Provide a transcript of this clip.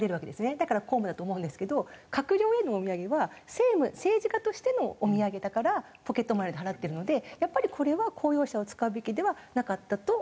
だから公務だと思うんですけど閣僚へのお土産は政務政治家としてのお土産だからポケットマネーで払ってるのでやっぱりこれは公用車を使うべきではなかったと私も思います。